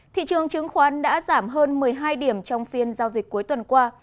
thị trường chứng khoán đã giảm hơn một mươi hai điểm trong phiên giao dịch cuối tuần qua